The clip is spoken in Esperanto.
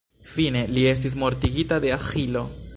Fine, li estis mortigita de Aĥilo.